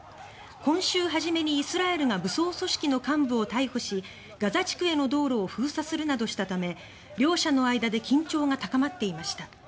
今週初めにイスラエルが武装組織の幹部を逮捕しガザ地区への道路を封鎖するなどしたため両者の間で緊張が高まっていました。